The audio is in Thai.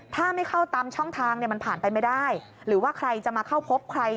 ถ้าไม่เข้าตามช่องทางเนี่ยมันผ่านไปไม่ได้หรือว่าใครจะมาเข้าพบใคร